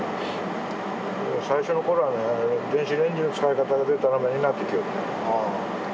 最初の頃はね電子レンジの使い方でたらめになってきよる。